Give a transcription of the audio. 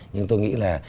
nhưng tôi nghĩ là